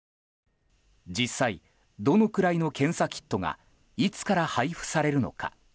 実際、どのくらいの検査キットがいつから配布されるのか。